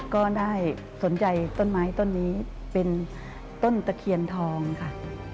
ก็ได้สนใจต้นไม้ต้นนี้เป็นต้นตะเคียนทองค่ะ